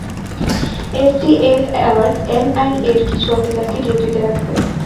STF আর এনআইএ-র কিছু অফিসারকে ডিউটিতে রাখবে।